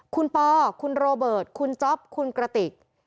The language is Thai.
คุณปอคุณโรเบิร์ตคุณจ๊อปคุณกระติก